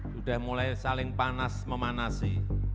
sudah mulai saling panas memanasi